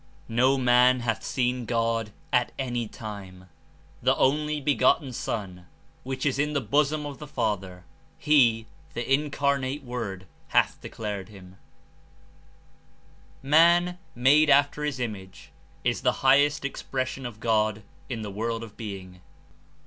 8 'Wo man hath seen God at any time; the only be gotten Son, ithich is in the bosom of the Father, he (The Incarnate Word) hath declared him J' Man, "made after his Image," is the highest ex pression of God in the world of being.